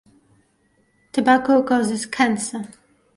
Tobacco causes cancer.